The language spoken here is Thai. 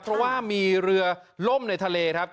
เพราะว่ามีเรือล่มในทะเลครับ